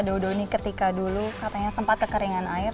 dodo ini ketika dulu katanya sempat kekeringan air